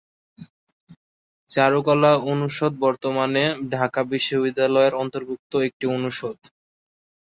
চারুকলা অনুষদ বর্তমানে ঢাকা বিশ্ববিদ্যালয়ের অন্তর্ভুক্ত একটি অনুষদ।